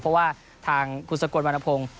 เพราะว่าทางกุศกลวันพงศ์